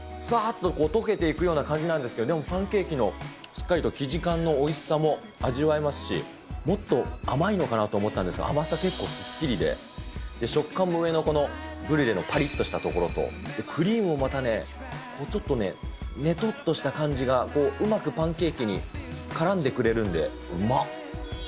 さーっと溶けていくような感じなんですけど、でも、パンケーキのしっかりと生地感のおいしさも味わえますし、もっと甘いのかなと思ったんですが、甘さ、結構すっきりで、で、食感も上のこのブリュレのぱりっとしたところと、クリームもまたね、ちょっとね、ねとっとした感じが、うまくパンケーキにからんでくれるんで、うまっ。